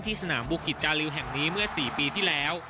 สนามบุกิจจาริวแห่งนี้เมื่อ๔ปีที่แล้ว